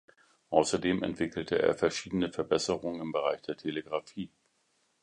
Außerdem entwickelte er verschiedene Verbesserungen im Bereich der Telegrafie.